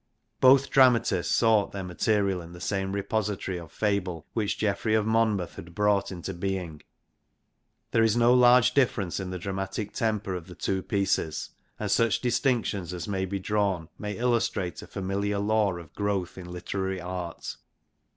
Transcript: Both dramatists sought their material in the same repository of fable, which Geoffrey of Monmouth had brought into being. There is no large difference in the dramatic temper of the two pieces, and such distinctions as may be drawn may illustrate a familiar law of growth in literary art.